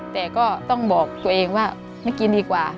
แต่ก็ต้องบอกตัวเองว่าไม่กินดีกว่า